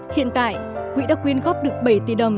hiện tại quỹ đã quyên góp được bảy tỷ đồng